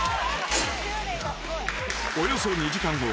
［およそ２時間後。